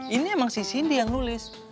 ini emang si cindy yang nulis